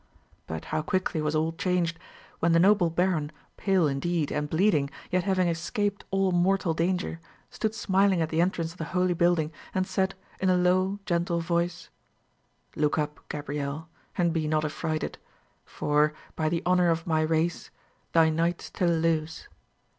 But how quickly was all changed, when the noble baron, pale indeed, and bleeding, yet having escaped all mortal danger, stood smiling at the entrance of the holy building, and said, in a low, gentle voice, "Look up, Gabrielle, and be not affrighted; for, by the honour of my race, thy knight still lives."